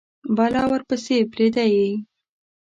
بلا ورپسي پریده یﺉ